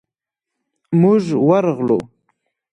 موږ ورغلو.